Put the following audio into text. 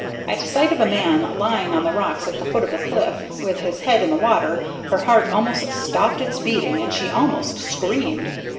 At sight of a man lying on the rocks at the foot of the cliff, with his head in the water, her heart almost stopped its beating and she almost screamed.